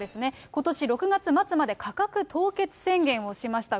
ことし６月末まで価格凍結宣言をしました。